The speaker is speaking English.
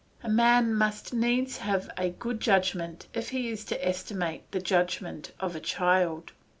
A man must needs have a good judgment if he is to estimate the judgment of a child.